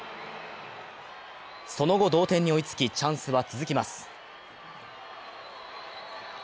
その後、同点に追いつき、チャンスは続きます。